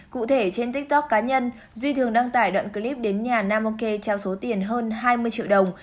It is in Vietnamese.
cụ thể trên tiktok cá nhân duy thường đăng tải đoạn clip đến nhà nam oke trao số tiền hơn hai mươi triệu đồng